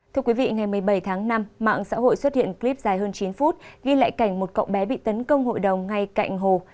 thưa quý vị ngày một mươi bảy tháng năm mạng xã hội xuất hiện clip dài hơn chín phút ghi lại cảnh một cậu bé bị tấn công hội đồng ngay cạnh hồ